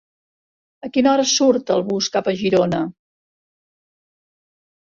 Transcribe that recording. A quina hora surt el bus cap a Girona?